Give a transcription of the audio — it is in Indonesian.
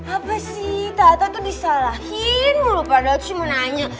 apa sih tata tuh disalahin mulu pada cuma nanya